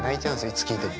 いつ聴いても。